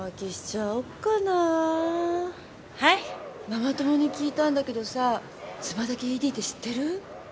ママ友に聞いたんだけどさ妻だけＥＤって知ってる？